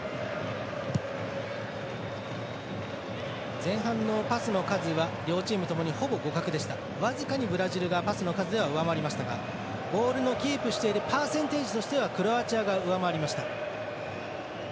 前半のパスの数は両チームともにほぼ互角でした僅かにブラジルがパスの数では上回りましたがボールのキープしているパーセンテージとしてはクロアチアが上回りました。